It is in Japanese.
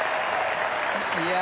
いや